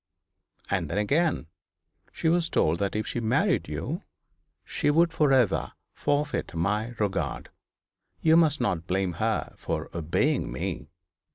And then, again, she was told that if she married you, she would for ever forfeit my regard. You must not blame her for obeying me.'